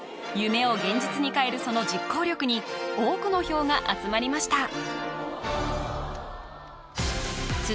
夢を現実に変えるその実行力に多くの票が集まりました